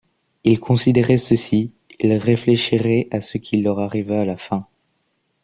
Ils considéreraient ceci, ils réfléchiraient à ce qui leur arrivera à la fin.